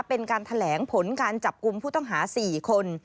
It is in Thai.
เป็นการแถลงผลการจับกลุ่มผู้ต้องหา๔คน